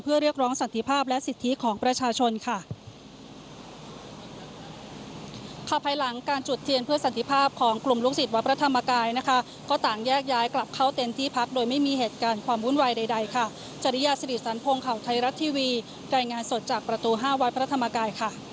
เพื่อเรียกร้องสันติภาพและสิทธิของประชาชนค่ะ